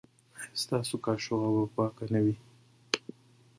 ایا ستاسو کاشوغه به پاکه نه وي؟